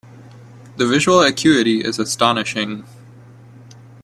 The visual acuity is astonishing.